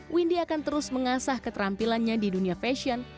windy akan terus mengasah keterampilannya di dunia fashion